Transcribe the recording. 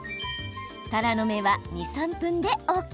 たらの芽は２３分でＯＫ。